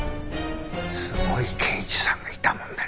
すごい刑事さんがいたもんだね。